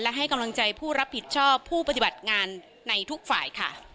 และให้กำลังใจผู้รับผิดชอบผู้ปฏิบัติงานในทุกฝ่ายค่ะ